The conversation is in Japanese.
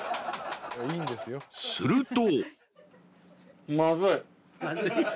［すると］